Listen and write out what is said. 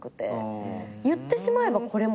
言ってしまえばこれも素だし。